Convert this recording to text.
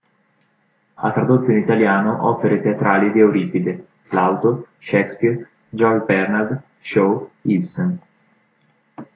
Ha tradotto in italiano opere teatrali di Euripide, Plauto, Shakespeare, George Bernard Shaw, Ibsen.